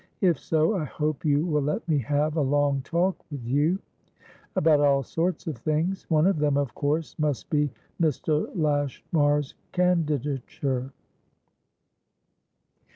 If so, I hope you will let me have a long talk with you, about all sorts of things. One of them, of course, must be Mr. Lashmar's candidature."